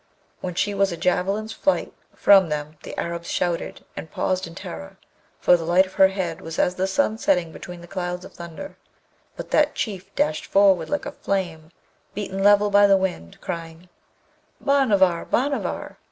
When she was a javelin's flight from them the Arabs shouted and paused in terror, for the light of her head was as the sun setting between clouds of thunder; but that Chief dashed forward like a flame beaten level by the wind, crying, 'Bhanavar; Bhanavar!'